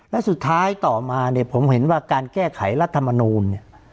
และสุดท้ายต่อมาเนี่ยผมเห็นว่าการแก้ไขรัฐมนูลเนี่ย